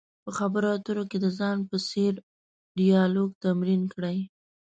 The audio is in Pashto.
په خبرو اترو کې د ځان په څېر ډیالوګ تمرین کړئ.